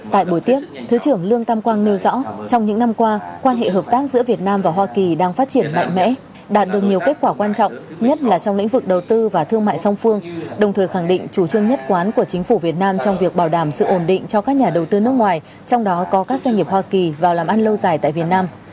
tại buổi tiếp thứ trưởng lương tam quang nêu rõ trong những năm qua quan hệ hợp tác giữa việt nam và hoa kỳ đang phát triển mạnh mẽ đạt được nhiều kết quả quan trọng nhất là trong lĩnh vực đầu tư và thương mại song phương đồng thời khẳng định chủ trương nhất quán của chính phủ việt nam trong việc bảo đảm sự ổn định cho các nhà đầu tư nước ngoài trong đó có các doanh nghiệp hoa kỳ vào làm ăn lâu dài tại việt nam